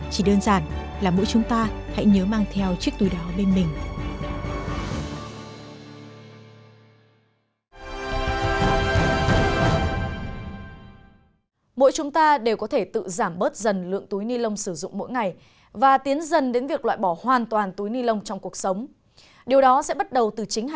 chỉ đơn giản là mỗi chúng ta hãy nhớ mang theo chiếc túi đó bên mình